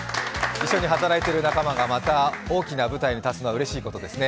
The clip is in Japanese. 一緒に働いている仲間がまた大きな舞台に立つのはうれしいですね。